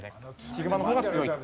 ヒグマの方が強いと。